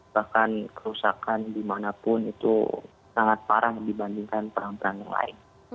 bahkan kerusakan dimanapun itu sangat parah dibandingkan perang perang yang lain